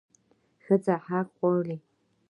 ښځه حق غواړي